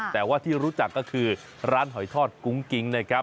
แต่ว่าที่รู้จักก็คือร้านหอยทอดกุ้งกิ๊งนะครับ